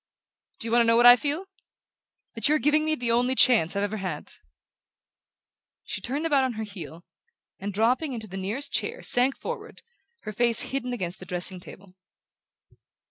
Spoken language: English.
Do you want to know what I feel? That you're giving me the only chance I've ever had!" She turned about on her heel and, dropping into the nearest chair, sank forward, her face hidden against the dressing table.